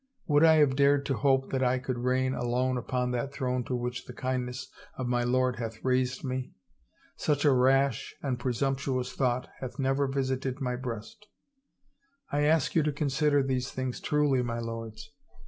Would I have dared to hope that I could reign alone upon that throne to which the kindness of my lord hath raised me? Such a rash and presumptuous thought hath never visited my breast 1 I ask you to consider these things truly, my lords.